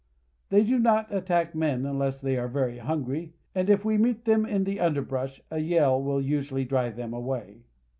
They do not attack men unless they are very hungry, and if we meet them in the underbrush a yell will usually drive them away.